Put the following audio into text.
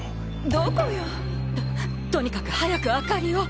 どこよ。ととにかく早く明かりを。